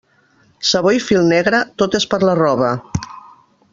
Sabó i fil negre, tot és per a la roba.